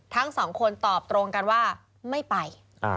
ทั้งสองคนตอบตรงกันว่าไม่ไป